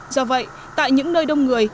do vậy tại những nơi đông người